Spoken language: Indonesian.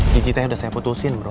cici teh udah saya putusin bro